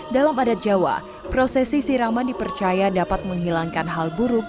dalam adat jawa prosesi siraman dipercaya dapat menghilangkan hal buruk